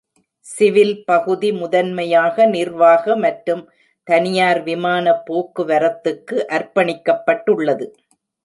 Civil பகுதி முதன்மையாக நிர்வாக மற்றும் தனியார் விமான போக்குவரத்துக்கு அர்ப்பணிக்கப்பட்டுள்ளது.